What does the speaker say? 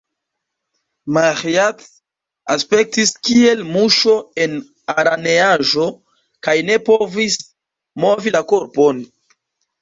Maĥiac aspektis kiel muŝo en araneaĵo, kaj ne povis movi la korpon.